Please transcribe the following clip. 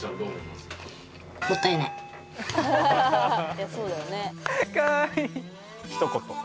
いやそうだよね。